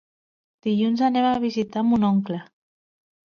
Dilluns anem a visitar mon oncle.